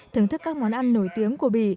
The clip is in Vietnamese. thưởng thức các món ăn nổi tiếng của bỉ